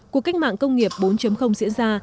cuộc cách mạng công nghiệp bốn diễn ra